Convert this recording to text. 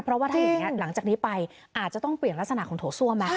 เพราะว่าถ้าอย่างนี้หลังจากนี้ไปอาจจะต้องเปลี่ยนลักษณะของโถส้วมไหม